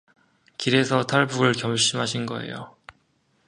기래서 탈북을 결심하신 거예요